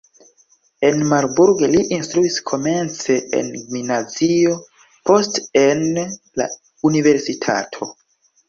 En Marburg li instruis komence en gimnazio, poste en la universitato.